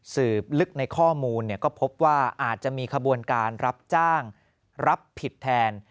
สืบลึกในข้อมูลก็พบว่าอาจจะมีขบวนการรับจ้างรับผิดแทน